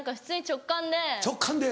「直感で」